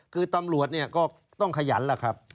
คือตำรวจเนี่ยก็ต้องขยันล่ะครับ